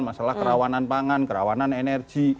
masalah kerawanan pangan kerawanan energi